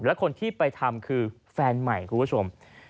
และคนที่ไปทำคือแฟนใหม่คุณผู้ชม